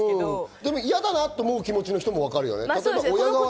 でも嫌だなって思う気持ちの人も分かるよね。